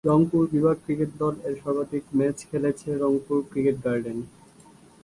রংপুর বিভাগ ক্রিকেট দল এর সর্বাধিক ম্যাচ খেলেছে রংপুর ক্রিকেট গার্ডেন।